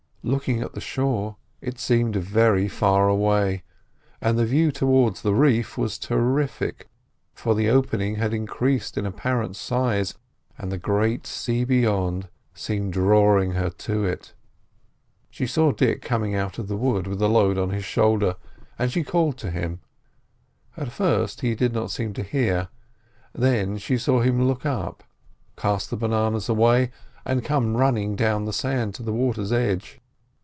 Looking at the shore it seemed very far away, and the view towards the reef was terrific, for the opening had increased in apparent size, and the great sea beyond seemed drawing her to it. She saw Dick coming out of the wood with the load on his shoulder, and she called to him. At first he did not seem to hear, then she saw him look up, cast the bananas away, and come running down the sand to the water's edge.